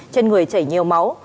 trên người chảy nhiều máu